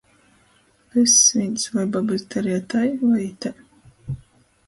Vyss vīns - voi babys dareja tai voi itai...